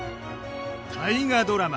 大河ドラマ